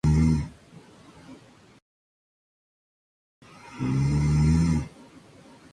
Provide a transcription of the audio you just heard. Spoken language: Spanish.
El empleado rápidamente lo descubre.